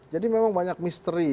jadi memang banyak misteri